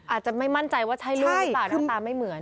อาจจะไม่มั่นใจว่าใช้รูปแต่ว่าน้ำตาไม่เหมือน